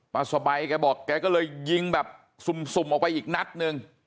สบายแกบอกแกก็เลยยิงแบบสุ่มออกไปอีกนัดหนึ่ง